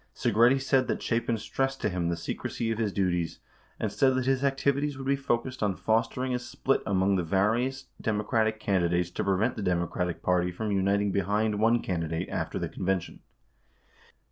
Segretti said that Chapin stressed to him the secrecy of his duties, and said that his activities should be focused on fostering a split among the various Democratic candidates to prevent the Democratic Party from uniting behind one candidate after the convention.